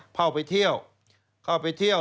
เข้าไปเที่ยวเข้าไปเที่ยว